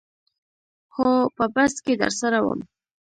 هو په بس کې درسره وم.